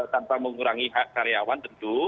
tanpa mengurangi hak karyawan tentu